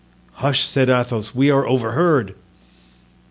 "Hush!" said Athos, "we are overheard."